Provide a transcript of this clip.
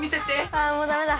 あもうダメだ。